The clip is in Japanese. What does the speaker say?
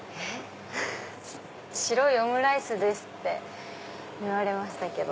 白いオムライスですって言われましたけど。